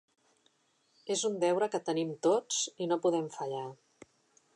És un deure que tenim tots i no podem fallar.